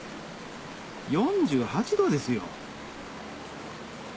４８℃ですよ？